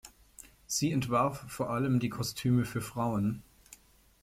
Sie entwarf vor allem die Kostüme für Frauen.